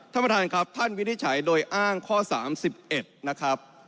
ท่านประธานครับท่านวินิจฉัยโดยอ้างข้อ๓๑นะครับ